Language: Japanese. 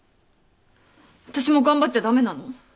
私も頑張っちゃ駄目なの？